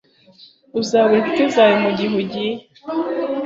Uzabura inshuti zawe mugihe ugiye